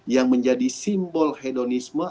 yang menjadi simbol hedonisme